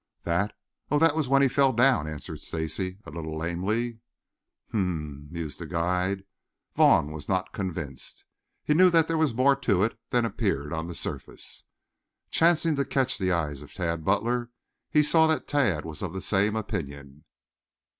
"That? Oh, that was when he fell down," answered Stacy a little lamely. "Hm m m!" mused the guide. Vaughn was not convinced. He knew that there was more to it than appeared on the surface. Chancing to catch the eyes of Tad Butler, he saw that Tad was of the same opinion.